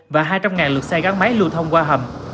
và hai trăm linh lượt xe gắn máy lưu thông qua hầm